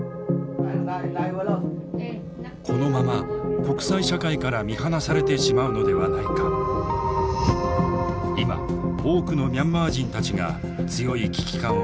このまま国際社会から見放されてしまうのではないか今多くのミャンマー人たちが強い危機感を抱いている。